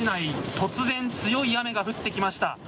突然、強い雨が降ってきました。